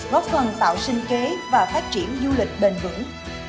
góp phần tạo sinh kế và phát triển du lịch bền vững